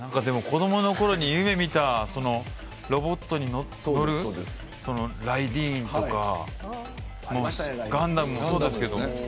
子どものころに夢見たロボットに乗るライディーンとかガンダムもそうですけど。